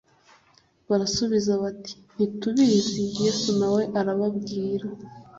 barasubiza bati : "Ntitubizi." Yesu nawe arababwira